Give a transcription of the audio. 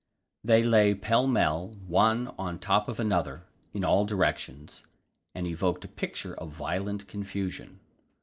They lay pell mell, one on the top of another, in all directions, and evoked a picture of violent confusion.